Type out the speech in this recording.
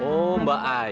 oh mbak ayah